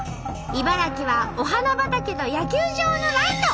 茨城はお花畑と野球場のライト。